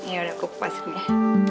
ya udah kukupasin ya